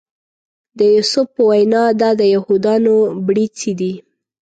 د یوسف په وینا دا د یهودانو بړیڅي دي.